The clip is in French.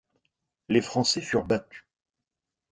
Les Français furent battus.